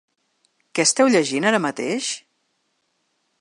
Què esteu llegint ara mateix?